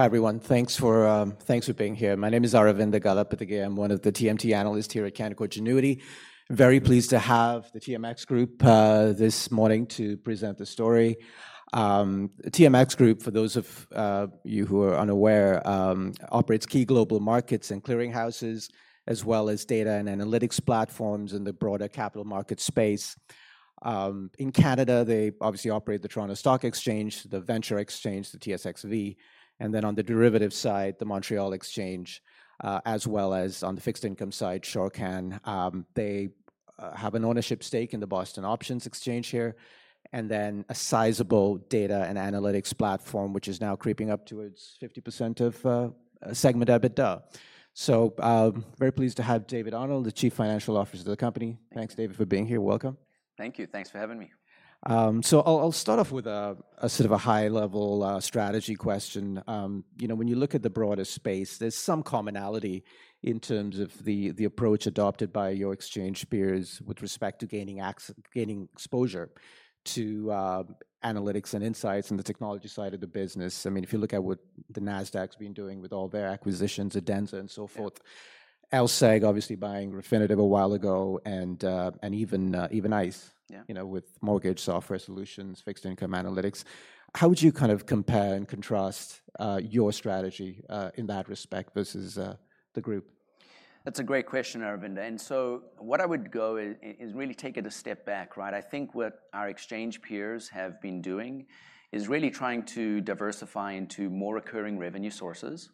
Hi, everyone. Thanks for being here. My name is Aravinda Galappatthige. I'm one of the TMT analysts here at Canaccord Genuity. Very pleased to have the TMX Group this morning to present the story. TMX Group, for those of you who are unaware, operates key global markets and clearing houses, as well as data and analytics platforms in the broader capital market space. In Canada, they obviously operate the Toronto Stock Exchange, the Venture Exchange, the TSXV, and then on the derivatives side, the Montreal Exchange, as well as on the fixed income side, Shorcan. They have an ownership stake in the Boston Options Exchange here, and then a sizable data and analytics platform, which is now creeping up towards 50% of segment EBITDA. Very pleased to have David Arnold, the Chief Financial Officer of the company. Thanks, David, for being here. Welcome. Thank you. Thanks for having me. So I'll start off with a sort of a high-level strategy question. You know, when you look at the broader space, there's some commonality in terms of the approach adopted by your exchange peers with respect to gaining exposure to analytics and insights in the technology side of the business. I mean, if you look at what the Nasdaq's been doing with all their acquisitions, Adenza and so forth- Yeah. LSEG obviously buying Refinitiv a while ago, and even ICE. Yeah. You know, with mortgage software solutions, fixed income analytics. How would you kind of compare and contrast your strategy in that respect versus the group? That's a great question, Aravinda, and so what I would go is really take it a step back, right? I think what our exchange peers have been doing is really trying to diversify into more recurring revenue sources.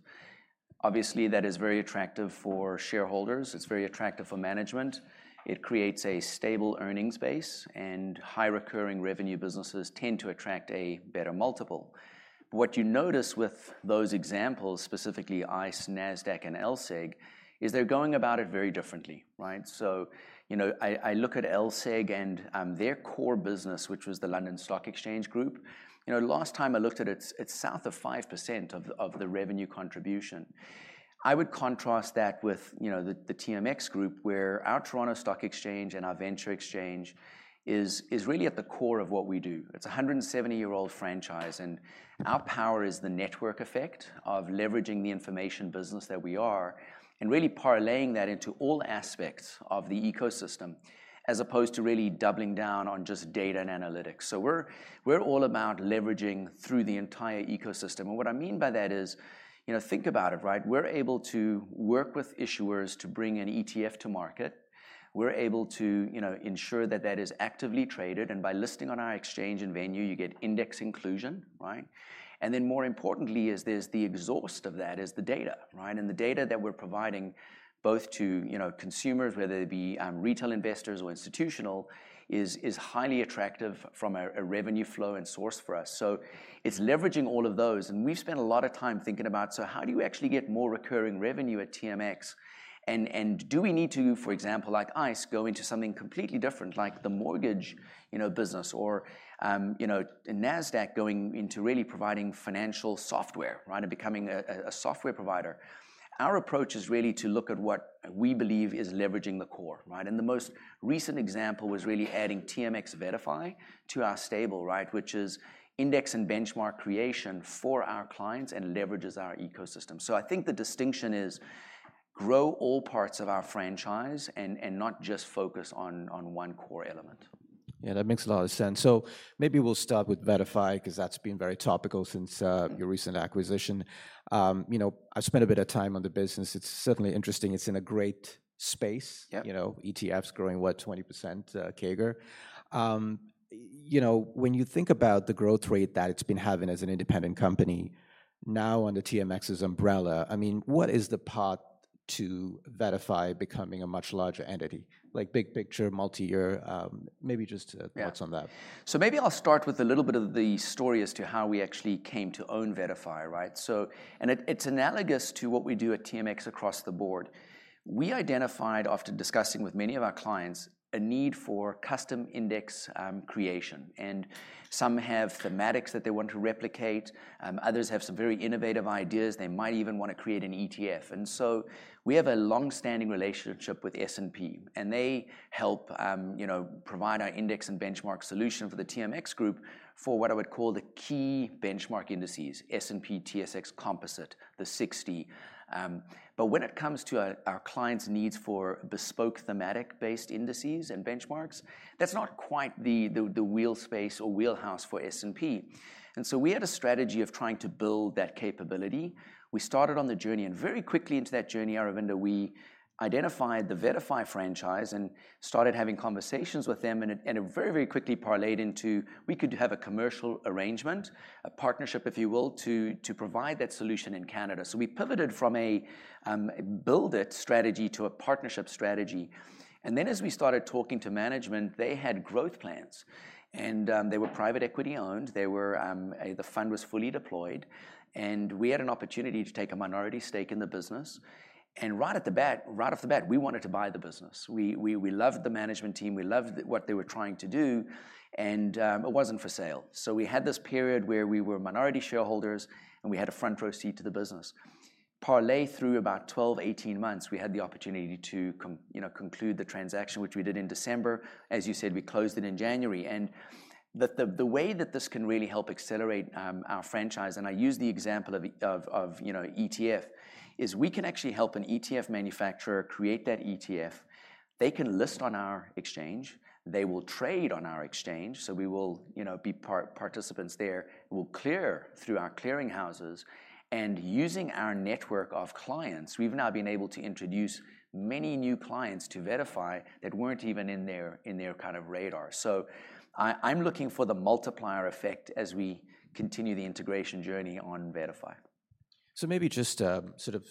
Obviously, that is very attractive for shareholders. It's very attractive for management. It creates a stable earnings base, and high-recurring revenue businesses tend to attract a better multiple. What you notice with those examples, specifically ICE, Nasdaq, and LSEG, is they're going about it very differently, right? So, you know, I look at LSEG and their core business, which was the London Stock Exchange Group. You know, last time I looked at it, it's south of 5% of the revenue contribution. I would contrast that with, you know, the TMX Group, where our Toronto Stock Exchange and our Venture Exchange is really at the core of what we do. It's a 170-year-old franchise, and our power is the network effect of leveraging the information business that we are and really parlaying that into all aspects of the ecosystem, as opposed to really doubling down on just data and analytics. So we're all about leveraging through the entire ecosystem, and what I mean by that is, you know, think about it, right? We're able to work with issuers to bring an ETF to market. We're able to, you know, ensure that that is actively traded, and by listing on our exchange and venue, you get index inclusion, right? And then more importantly, is there's the exhaust of that is the data, right? The data that we're providing both to, you know, consumers, whether they be retail investors or institutional, is highly attractive from a revenue flow and source for us. So it's leveraging all of those, and we've spent a lot of time thinking about: So how do you actually get more recurring revenue at TMX? And do we need to, for example, like ICE, go into something completely different, like the mortgage, you know, business or, you know, Nasdaq going into really providing financial software, right? And becoming a software provider. Our approach is really to look at what we believe is leveraging the core, right? And the most recent example was really adding TMX VettaFi to our stable, right? Which is index and benchmark creation for our clients and leverages our ecosystem. I think the distinction is grow all parts of our franchise and not just focus on one core element. Yeah, that makes a lot of sense. Maybe we'll start with VettaFi, 'cause that's been very topical since your recent acquisition. You know, I've spent a bit of time on the business. It's certainly interesting. It's in a great space. Yeah. You know, ETFs growing, what? 20% CAGR. You know, when you think about the growth rate that it's been having as an independent company, now under TMX's umbrella, I mean, what is the path to VettaFi becoming a much larger entity? Like, big picture, multi-year, maybe just, Yeah... thoughts on that. So maybe I'll start with a little bit of the story as to how we actually came to own VettaFi, right? So, it's analogous to what we do at TMX across the board. We identified, after discussing with many of our clients, a need for custom index creation, and some have thematics that they want to replicate, others have some very innovative ideas. They might even want to create an ETF. And so we have a long-standing relationship with S&P, and they help, you know, provide our index and benchmark solution for the TMX Group for what I would call the key benchmark indices: S&P/TSX Composite, the 60. But when it comes to our clients' needs for bespoke, thematic-based indices and benchmarks, that's not quite the wheelhouse for S&P. So we had a strategy of trying to build that capability. We started on the journey, and very quickly into that journey, Aravinda, we identified the VettaFi franchise and started having conversations with them, and it very, very quickly parlayed into we could have a commercial arrangement, a partnership, if you will, to provide that solution in Canada. So we pivoted from a build-it strategy to a partnership strategy. And then as we started talking to management, they had growth plans, and they were private equity-owned. The fund was fully deployed, and we had an opportunity to take a minority stake in the business, and right off the bat, we wanted to buy the business. We loved the management team. We loved what they were trying to do, and it wasn't for sale. So we had this period where we were minority shareholders, and we had a front-row seat to the business. Parlay through about 12, 18 months, we had the opportunity to you know, conclude the transaction, which we did in December. As you said, we closed it in January, and the, the, the way that this can really help accelerate our franchise, and I use the example of, of, of, you know, ETF, is we can actually help an ETF manufacturer create that ETF. They can list on our exchange, they will trade on our exchange, so we will, you know, be participants there. We'll clear through our clearing houses, and using our network of clients, we've now been able to introduce many new clients to VettaFi that weren't even in their, in their kind of radar. I'm looking for the multiplier effect as we continue the integration journey on VettaFi. So maybe just sort of.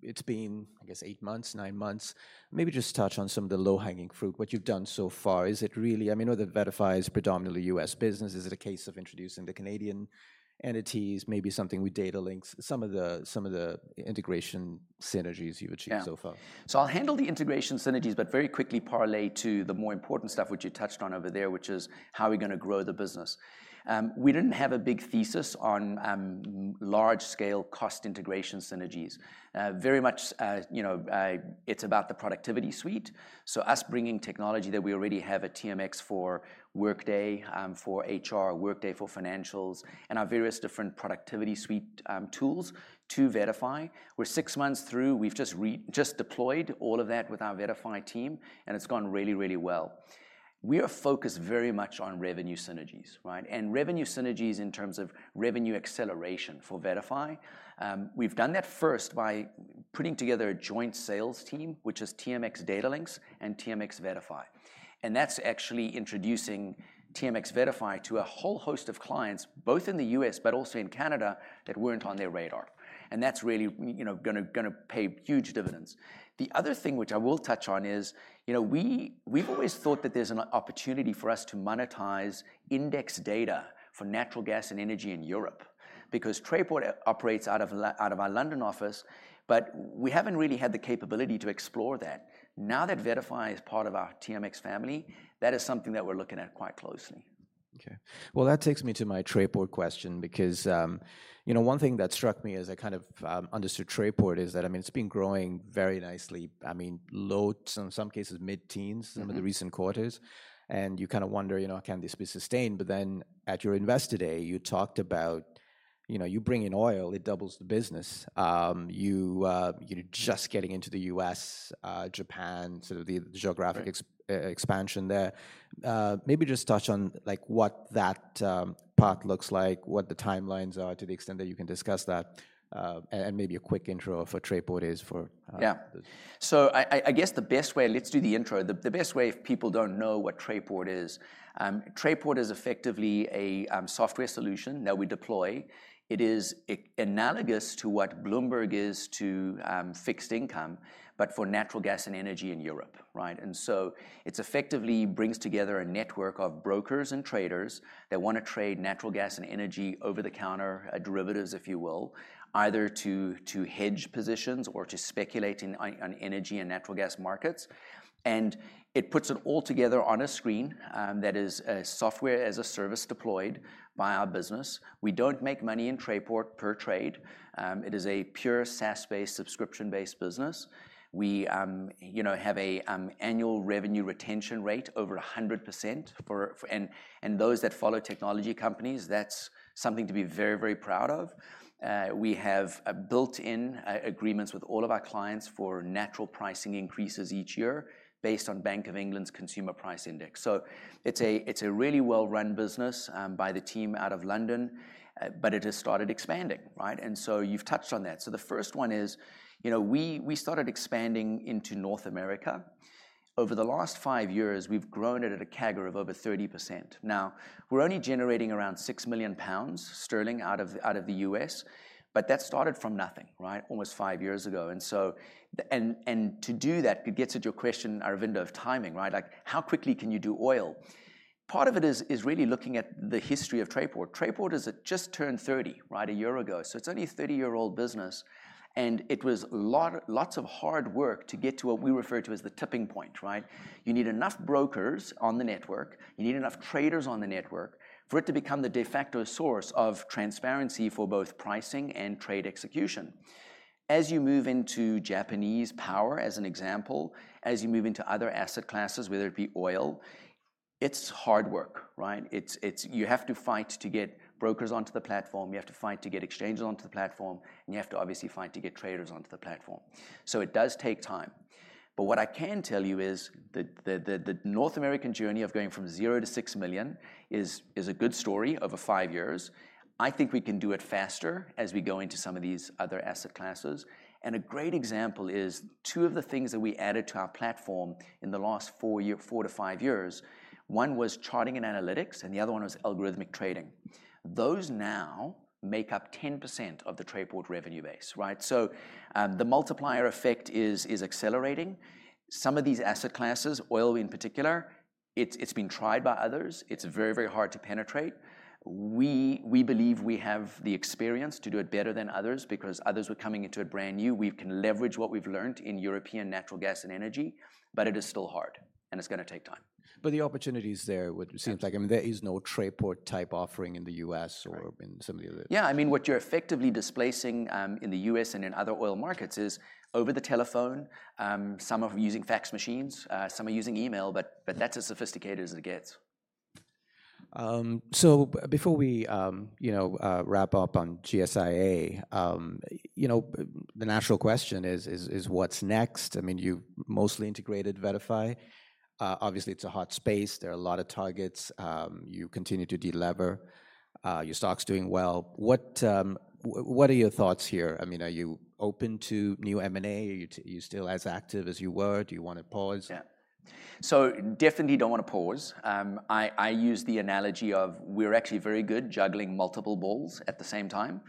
It's been, I guess, 8 months, 9 months, maybe just touch on some of the low-hanging fruit, what you've done so far. Is it really—I mean, I know that VettaFi is predominantly U.S. business. Is it a case of introducing the Canadian entities, maybe something with Datalinx? Some of the, some of the integration synergies you've achieved so far. Yeah. So I'll handle the integration synergies, but very quickly parlay to the more important stuff, which you touched on over there, which is how are we gonna grow the business? We didn't have a big thesis on, large-scale cost integration synergies. Very much, you know, it's about the productivity suite, so us bringing technology that we already have at TMX for Workday, for HR, Workday for financials, and our various different productivity suite, tools to VettaFi. We're six months through. We've just deployed all of that with our VettaFi team, and it's gone really, really well. We are focused very much on revenue synergies, right? And revenue synergies in terms of revenue acceleration for VettaFi. We've done that first by putting together a joint sales team, which is TMX Datalinx and TMX VettaFi, and that's actually introducing TMX VettaFi to a whole host of clients, both in the U.S., but also in Canada, that weren't on their radar, and that's really, you know, gonna pay huge dividends. The other thing, which I will touch on, is, you know, we, we've always thought that there's an opportunity for us to monetize index data for natural gas and energy in Europe. Because Trayport operates out of our London office, but we haven't really had the capability to explore that. Now that VettaFi is part of our TMX family, that is something that we're looking at quite closely. Okay. Well, that takes me to my Trayport question because, you know, one thing that struck me as I kind of understood Trayport is that, I mean, it's been growing very nicely. I mean, low, some, some cases mid-teens some of the recent quarters, and you kind of wonder, you know, "Can this be sustained?" But then at your Investor Day, you talked about, you know, you bring in oil, it doubles the business. You're just getting into the U.S., Japan, sort of the geographic ex- Right... expansion there. Maybe just touch on, like, what that path looks like, what the timelines are, to the extent that you can discuss that, and maybe a quick intro of what Trayport is for- Yeah. The- So I guess the best way, let's do the intro. The best way, if people don't know what Trayport is, Trayport is effectively a software solution that we deploy. It is analogous to what Bloomberg is to fixed income, but for natural gas and energy in Europe, right? And so it effectively brings together a network of brokers and traders that wanna trade natural gas and energy over-the-counter derivatives, if you will, either to hedge positions or to speculate in on energy and natural gas markets. And it puts it all together on a screen that is a software as a service deployed by our business. We don't make money in Trayport per trade. It is a pure SaaS-based, subscription-based business. We, you know, have an annual revenue retention rate over 100% for those that follow technology companies, that's something to be very, very proud of. We have built-in agreements with all of our clients for natural pricing increases each year based on Bank of England's Consumer Price Index. So it's a really well-run business by the team out of London, but it has started expanding, right? And so you've touched on that. So the first one is, you know, we started expanding into North America. Over the last 5 years, we've grown it at a CAGR of over 30%. Now, we're only generating around 6 million pounds out of the US, but that started from nothing, right? Almost 5 years ago, and so... And to do that, it gets at your question, Aravinda, of timing, right? Like, how quickly can you do oil? Part of it is really looking at the history of Trayport. Trayport has just turned 30, right, a year ago, so it's only a 30-year-old business, and it was lots of hard work to get to what we refer to as the tipping point, right? You need enough brokers on the network, you need enough traders on the network for it to become the de facto source of transparency for both pricing and trade execution. As you move into Japanese power, as an example, as you move into other asset classes, whether it be oil, it's hard work, right? It's you have to fight to get brokers onto the platform, you have to fight to get exchanges onto the platform, and you have to obviously fight to get traders onto the platform. So it does take time. But what I can tell you is that the North American journey of going from zero to 6 million is a good story over five years. I think we can do it faster as we go into some of these other asset classes, and a great example is two of the things that we added to our platform in the last four to five years, one was charting and analytics, and the other one was algorithmic trading. Those now make up 10% of the Trayport revenue base, right? So the multiplier effect is accelerating. Some of these asset classes, oil in particular-... It's been tried by others. It's very, very hard to penetrate. We believe we have the experience to do it better than others because others were coming into it brand new. We can leverage what we've learnt in European natural gas and energy, but it is still hard, and it's gonna take time. But the opportunity's there, would seem like. Absolutely. I mean, there is no Trayport-type offering in the U.S. or- Right in some of the other Yeah, I mean, what you're effectively displacing in the US and in other oil markets is over the telephone, some of them using fax machines, some are using email, but that's as sophisticated as it gets. So before we, you know, wrap up on GSIA, you know, the natural question is what's next? I mean, you've mostly integrated VettaFi. Obviously, it's a hot space. There are a lot of targets. You continue to de-lever. Your stock's doing well. What are your thoughts here? I mean, are you open to new M&A? Are you still as active as you were? Do you wanna pause? Yeah. So definitely don't wanna pause. I use the analogy of we're actually very good juggling multiple balls at the same time,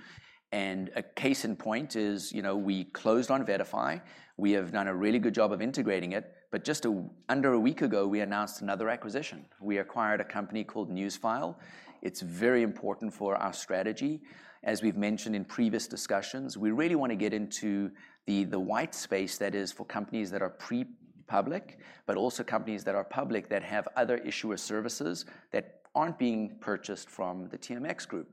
and a case in point is, you know, we closed on VettaFi. We have done a really good job of integrating it, but just under a week ago, we announced another acquisition. We acquired a company called Newsfile. It's very important for our strategy. As we've mentioned in previous discussions, we really wanna get into the white space that is for companies that are pre-public, but also companies that are public that have other issuer services that aren't being purchased from the TMX Group.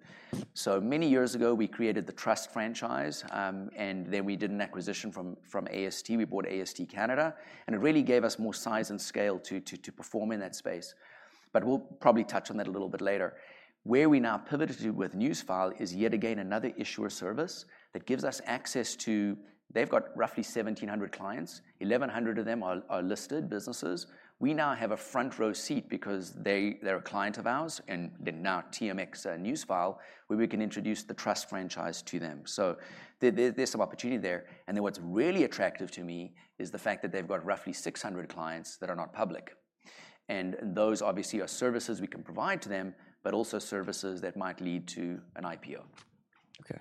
So many years ago, we created the trust franchise, and then we did an acquisition from AST. We bought AST Canada, and it really gave us more size and scale to perform in that space. But we'll probably touch on that a little bit later. Where we now pivoted with NewsFile is yet again another issuer service that gives us access to... They've got roughly 1,700 clients. 1,100 of them are listed businesses. We now have a front-row seat because they're a client of ours, and they're now TMX Newsfile, where we can introduce the trust franchise to them. So there's some opportunity there, and then what's really attractive to me is the fact that they've got roughly 600 clients that are not public. And those obviously are services we can provide to them, but also services that might lead to an IPO. Okay.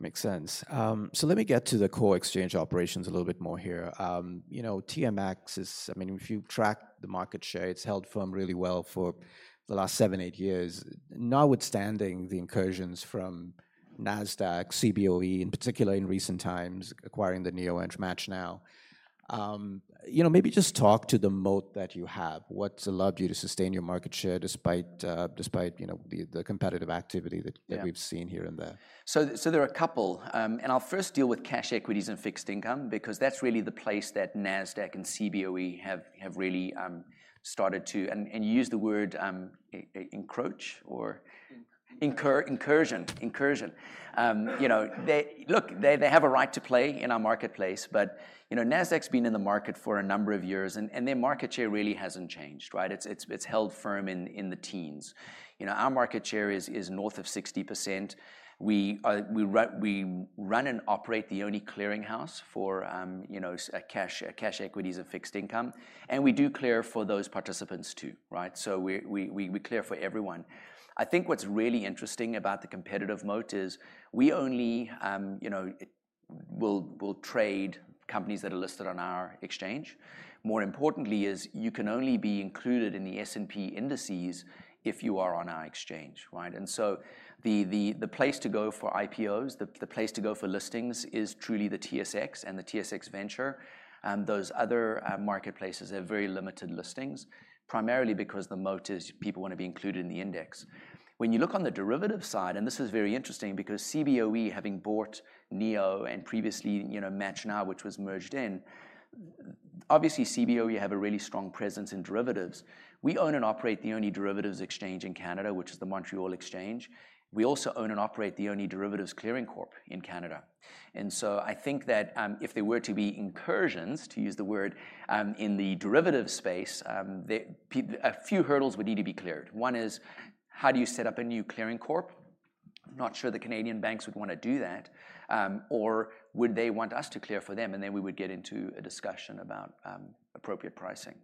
Makes sense. So let me get to the core exchange operations a little bit more here. You know, TMX is... I mean, if you track the market share, it's held firm really well for the last 7-8 years, notwithstanding the incursions from Nasdaq, Cboe, in particular in recent times, acquiring the NEO and MATCHNow. You know, maybe just talk to the moat that you have. What's allowed you to sustain your market share despite, you know, the competitive activity that- Yeah that we've seen here and there? So there are a couple, and I'll first deal with cash equities and fixed income because that's really the place that Nasdaq and Cboe have really started to... And you used the word incursion. You know, they look, they have a right to play in our marketplace, but, you know, Nasdaq's been in the market for a number of years, and their market share really hasn't changed, right? It's held firm in the teens. You know, our market share is north of 60%. We run and operate the only clearinghouse for, you know, cash equities and fixed income, and we do clear for those participants, too, right? So we clear for everyone. I think what's really interesting about the competitive moat is we only, you know, trade companies that are listed on our exchange. More importantly is you can only be included in the S&P indices if you are on our exchange, right? And so the place to go for IPOs, the place to go for listings is truly the TSX and the TSX Venture. Those other marketplaces have very limited listings, primarily because the moat is people want to be included in the index. When you look on the derivative side, and this is very interesting because Cboe, having bought NEO and previously, you know, MATCHNow, which was merged in, obviously, Cboe have a really strong presence in derivatives. We own and operate the only derivatives exchange in Canada, which is the Montreal Exchange. We also own and operate the only derivatives clearing corp in Canada, and so I think that, if there were to be incursions, to use the word, in the derivative space, a few hurdles would need to be cleared. One is, how do you set up a new clearing corp? I'm not sure the Canadian banks would wanna do that. Or would they want us to clear for them? And then we would get into a discussion about appropriate pricing.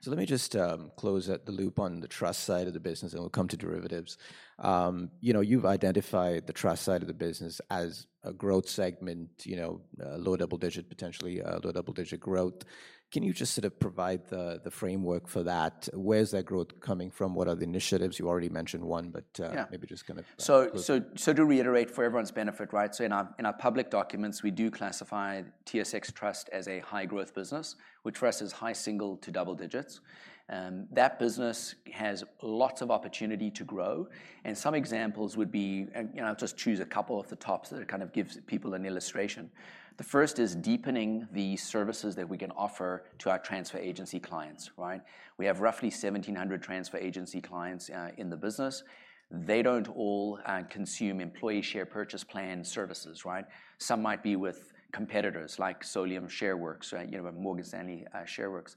So let me just close up the loop on the trust side of the business, and we'll come to derivatives. You know, you've identified the trust side of the business as a growth segment, you know, low double digit, potentially, low double-digit growth. Can you just sort of provide the framework for that? Where's that growth coming from? What are the initiatives? You already mentioned one, but Yeah... maybe just kind of- To reiterate, for everyone's benefit, right? So in our public documents, we do classify TSX Trust as a high-growth business. We trust it's high single to double digits. That business has lots of opportunity to grow, and some examples would be, and, you know, I'll just choose a couple off the top, so that it kind of gives people an illustration. The first is deepening the services that we can offer to our transfer agency clients, right? We have roughly 1,700 transfer agency clients in the business. They don't all consume employee share purchase plan services, right? Some might be with competitors like Solium Shareworks, right, you know, Morgan Stanley, Shareworks.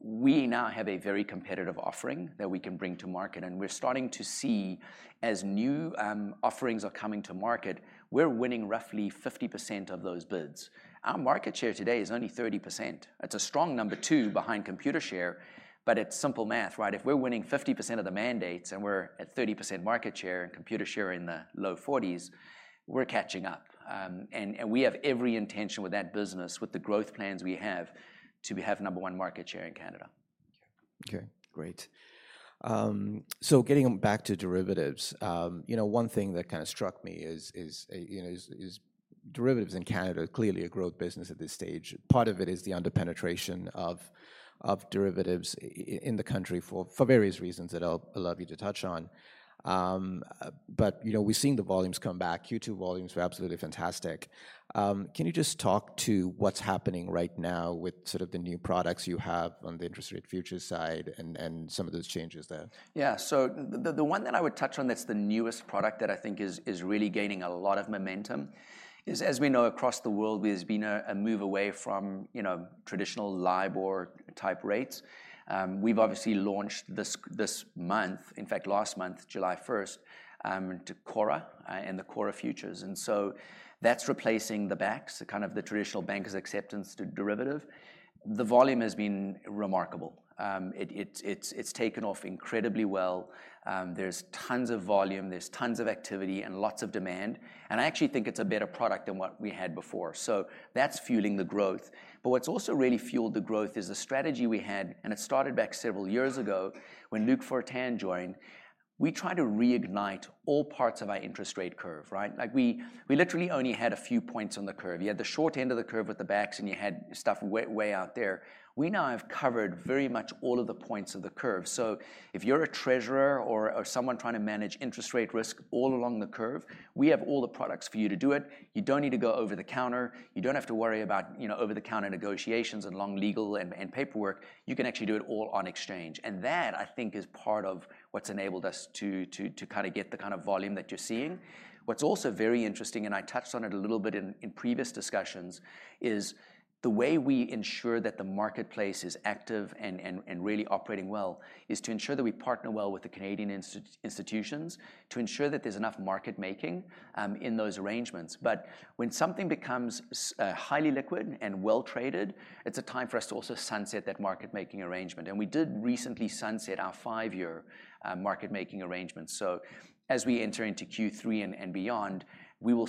We now have a very competitive offering that we can bring to market, and we're starting to see, as new offerings are coming to market, we're winning roughly 50% of those bids. Our market share today is only 30%. It's a strong number two behind Computershare, but it's simple math, right? If we're winning 50% of the mandates, and we're at 30% market share, and Computershare in the low 40s, we're catching up. And we have every intention with that business, with the growth plans we have, to be have number one market share in Canada. Okay, great. So getting back to derivatives, you know, one thing that kind of struck me is derivatives in Canada are clearly a growth business at this stage. Part of it is the under-penetration of derivatives in the country for various reasons that I'd love you to touch on. But, you know, we've seen the volumes come back. Q2 volumes were absolutely fantastic. Can you just talk to what's happening right now with sort of the new products you have on the interest rate futures side and some of those changes there? Yeah. So the one that I would touch on that's the newest product that I think is really gaining a lot of momentum is, as we know, across the world, there's been a move away from, you know, traditional LIBOR-type rates. We've obviously launched this month, in fact, last month, July 1st, to CORRA and the CORRA futures, and so that's replacing the BAX, the kind of traditional bankers' acceptance to derivative. The volume has been remarkable. It's taken off incredibly well. There's tons of volume, there's tons of activity, and lots of demand, and I actually think it's a better product than what we had before, so that's fueling the growth. But what's also really fueled the growth is the strategy we had, and it started back several years ago when Luc Fortin joined. We tried to reignite all parts of our interest rate curve, right? Like, we literally only had a few points on the curve. You had the short end of the curve with the BAX, and you had stuff way, way out there. We now have covered very much all of the points of the curve. So if you're a treasurer or someone trying to manage interest rate risk all along the curve, we have all the products for you to do it. You don't need to go over the counter. You don't have to worry about, you know, over-the-counter negotiations and long legal and paperwork. You can actually do it all on exchange, and that, I think, is part of what's enabled us to kind of get the kind of volume that you're seeing. What's also very interesting, and I touched on it a little bit in previous discussions, is the way we ensure that the marketplace is active and really operating well, is to ensure that we partner well with the Canadian institutions, to ensure that there's enough market making in those arrangements. But when something becomes highly liquid and well-traded, it's a time for us to also sunset that market-making arrangement, and we did recently sunset our five-year market-making arrangements. So as we enter into Q3 and beyond, we will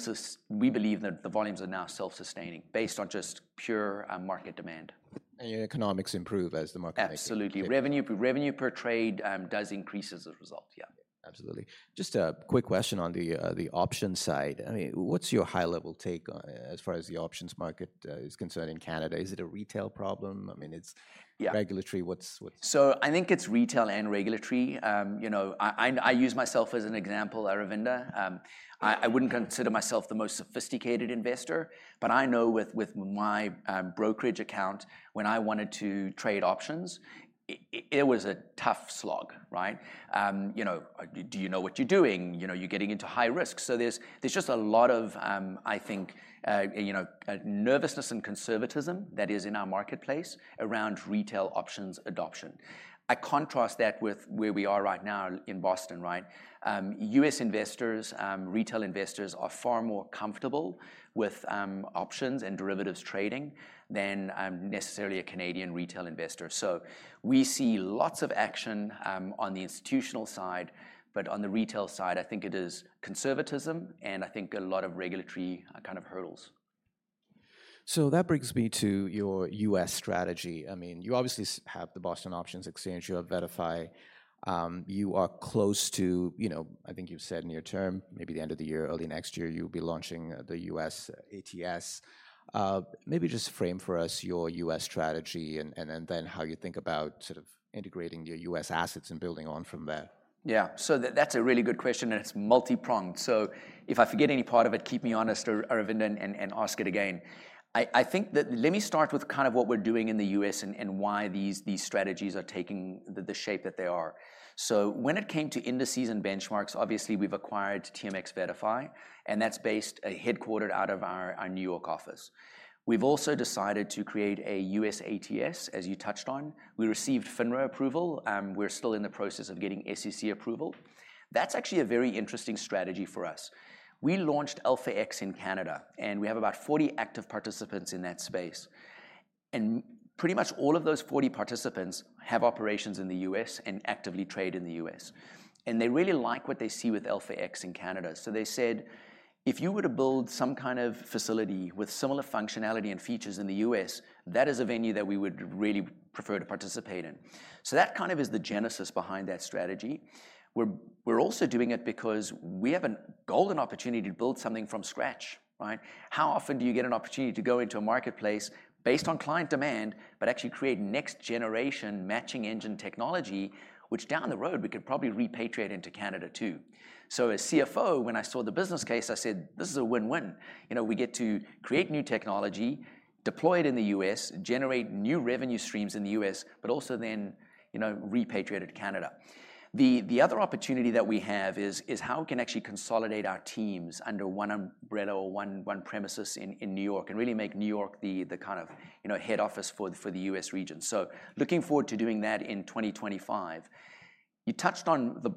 we believe that the volumes are now self-sustaining based on just pure market demand. Your economics improve as the market makes- Absolutely. Revenue per trade does increase as a result, yeah. Absolutely. Just a quick question on the options side. I mean, what's your high-level take on it as far as the options market is concerned in Canada? Is it a retail problem? I mean, it's- Yeah. -regulatory. What's So I think it's retail and regulatory. You know, I use myself as an example, Aravinda. I wouldn't consider myself the most sophisticated investor, but I know with my brokerage account, when I wanted to trade options, it was a tough slog, right? You know, "Do you know what you're doing? You know, you're getting into high risk." So there's just a lot of, I think, you know, nervousness and conservatism that is in our marketplace around retail options adoption. I contrast that with where we are right now in Boston, right? U.S. investors, retail investors are far more comfortable with options and derivatives trading than necessarily a Canadian retail investor. So we see lots of action, on the institutional side, but on the retail side, I think it is conservatism, and I think a lot of regulatory kind of hurdles. So that brings me to your U.S. strategy. I mean, you obviously have the Boston Options Exchange. You have VettaFi. You are close to, you know, I think you've said in your term, maybe the end of the year, early next year, you'll be launching the U.S. ATS. Maybe just frame for us your U.S. strategy and, and then, then how you think about sort of integrating your U.S. assets and building on from there. Yeah. So that's a really good question, and it's multi-pronged, so if I forget any part of it, keep me honest, Aravinda, and ask it again. I think that... Let me start with kind of what we're doing in the U.S. and why these strategies are taking the shape that they are. So when it came to indices and benchmarks, obviously, we've acquired TMX VettaFi, and that's based and headquartered out of our New York office. We've also decided to create a U.S. ATS, as you touched on. We received FINRA approval. We're still in the process of getting SEC approval. That's actually a very interesting strategy for us. We launched Alpha Exchange in Canada, and we have about 40 active participants in that space, and pretty much all of those 40 participants have operations in the U.S. and actively trade in the U.S., and they really like what they see with Alpha Exchange in Canada. So they said, "If you were to build some kind of facility with similar functionality and features in the U.S., that is a venue that we would really prefer to participate in." So that kind of is the genesis behind that strategy. We're also doing it because we have a golden opportunity to build something from scratch, right? How often do you get an opportunity to go into a marketplace based on client demand, but actually create next-generation matching engine technology, which down the road we could probably repatriate into Canada, too? So as CFO, when I saw the business case, I said, "This is a win-win." You know, we get to create new technology, deploy it in the US, generate new revenue streams in the US, but also then, you know, repatriate it to Canada. The other opportunity that we have is how we can actually consolidate our teams under one umbrella or one premises in New York and really make New York the kind of, you know, head office for the US region. So looking forward to doing that in 2025. You touched on the,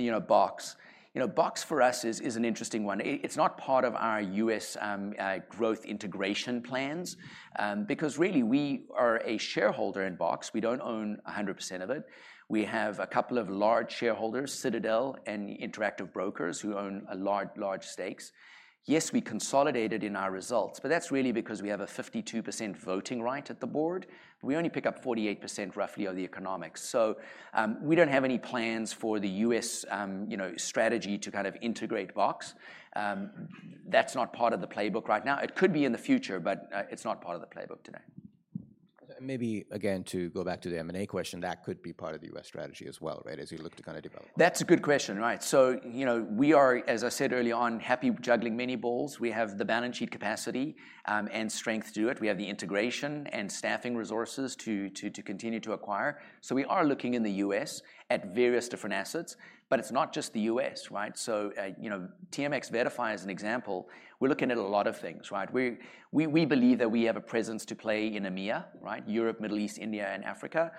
you know, BOX. You know, BOX for us is an interesting one. It's not part of our US growth integration plans, because really we are a shareholder in BOX. We don't own 100% of it. We have a couple of large shareholders, Citadel and Interactive Brokers, who own a large, large stakes. Yes, we consolidated in our results, but that's really because we have a 52% voting right at the board. We only pick up 48% roughly of the economics. So, we don't have any plans for the U.S., you know, strategy to kind of integrate BOX. That's not part of the playbook right now. It could be in the future, but, it's not part of the playbook today. Maybe again, to go back to the M&A question, that could be part of the U.S. strategy as well, right? As you look to kind of develop- That's a good question, right? So, you know, we are, as I said early on, happy juggling many balls. We have the balance sheet capacity and strength to do it. We have the integration and staffing resources to continue to acquire. So we are looking in the U.S. at various different assets, but it's not just the U.S., right? So, you know, TMX VettaFi as an example, we're looking at a lot of things, right? We believe that we have a presence to play in EMEA, right? Europe, Middle East, India, and Africa.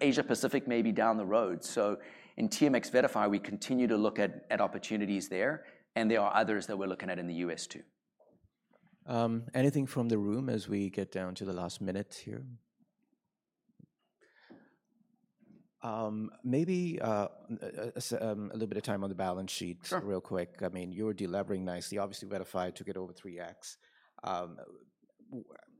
Asia Pacific may be down the road. So in TMX VettaFi, we continue to look at opportunities there, and there are others that we're looking at in the U.S., too. Anything from the room as we get down to the last minute here? Maybe a little bit of time on the balance sheet- Sure. Real quick. I mean, you're de-levering nicely. Obviously, VettaFi took it over 3x.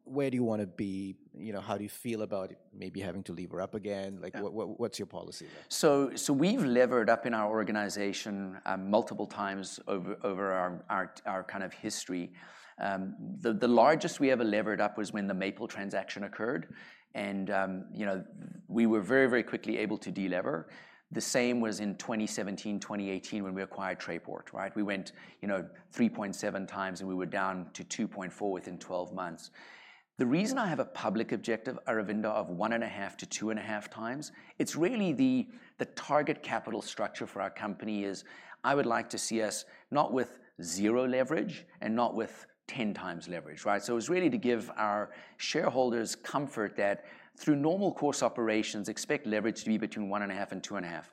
Where do you want to be? You know, how do you feel about maybe having to lever up again? Yeah. Like, what, what's your policy there? So, so we've levered up in our organization multiple times over our kind of history. The largest we ever levered up was when the Maple transaction occurred, and you know, we were very, very quickly able to de-lever. The same was in 2017, 2018, when we acquired Trayport, right? We went, you know, 3.7x, and we were down to 2.4 within 12 months. The reason I have a public objective, Aravinda, of 1.5-2.5x, it's really the target capital structure for our company is I would like to see us not with 0 leverage and not with 10x leverage, right? So it's really to give our shareholders comfort that through normal course operations, expect leverage to be between 1.5 and 2.5.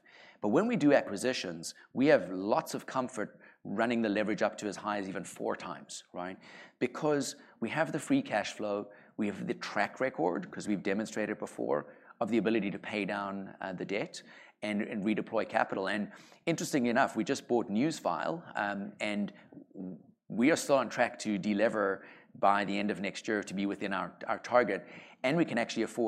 But when we do acquisitions, we have lots of comfort running the leverage up to as high as even 4x, right? Because we have the free cash flow, we have the track record, 'cause we've demonstrated before, of the ability to pay down the debt and redeploy capital. And interestingly enough, we just bought Newsfile, and we are still on track to de-lever by the end of next year to be within our target, and we can actually afford-